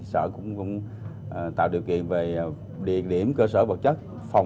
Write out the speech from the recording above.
sở cũng tạo điều kiện về địa điểm cơ sở vật chất phòng